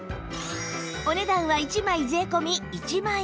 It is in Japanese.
お値段は１枚税込１万円